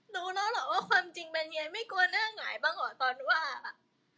รู้แล้วเหรอว่าความจริงเป็นยังไงไม่กลัวหน้าหงายบ้างเหรอตอนว่าแบบ